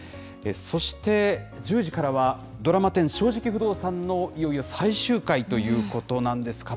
そして１０時からは、ドラマ１０、正直不動産のいよいよ最終回ということなんです。